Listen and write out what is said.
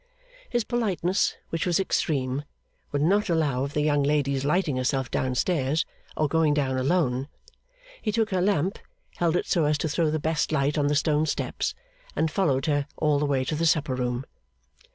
His politeness, which was extreme, would not allow of the young lady's lighting herself down stairs, or going down alone. He took her lamp, held it so as to throw the best light on the stone steps, and followed her all the way to the supper room.